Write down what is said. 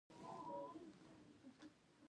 استاد د انسان ښه والی غواړي.